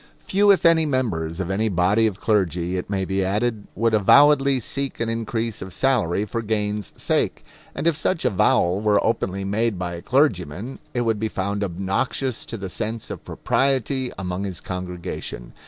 Few if any members of any body of clergy, it may be added, would avowedly seek an increase of salary for gain's sake; and if such avowal were openly made by a clergyman, it would be found obnoxious to the sense of propriety among his congregation.